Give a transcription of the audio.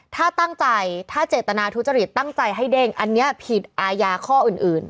ถ้าตั้งใจถ้าเจตนาทุจริตตั้งใจให้เด้งอันนี้ผิดอาญาข้ออื่น